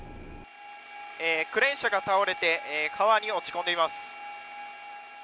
クレーン車が倒れて川に落ち込んでいます。